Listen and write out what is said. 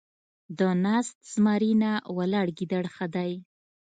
ـ د ناست زمري نه ، ولاړ ګيدړ ښه دی.